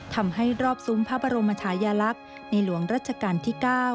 ทำให้รอบซุ้มพระบรมชายลักษณ์ในหลวงรัชกาลที่๙